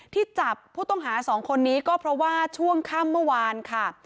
ที่จับผู้ต้องหาสองคนนี้ก็เพราะว่าช่วงค่ำเมื่อวานค่ะ